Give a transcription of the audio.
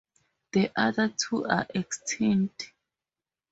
The other two are extinct.